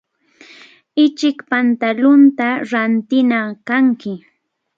Ichik pantalunta rantinaq kanki.